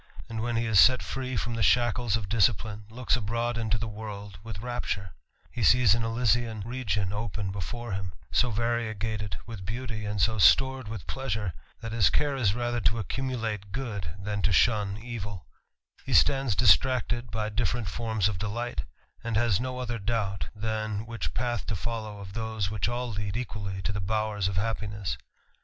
and when he is set free from the shackles of disciplme, '"^iks abroad into the world with rapture ; he sees an , ^lysian region open before him, so variegated with beauty, &nd so stored with pleasure, that his care is rather to Sccuraulate good, than to shun evil ; be stands distracted by different forms of delight, and has no other doubt, titan which path to follow of those which all lead equally to the bowers of happiness.